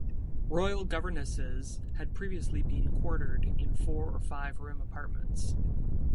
Royal governesses had previously been quartered in four or five room apartments.